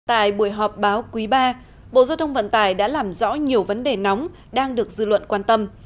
tại buổi họp báo quý ba bộ giao thông vận tải đã làm rõ nhiều vấn đề nóng đang được dư luận quan tâm